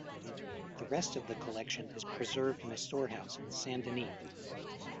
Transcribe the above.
The rest of the collection is preserved in a storehouse in Saint-Denis.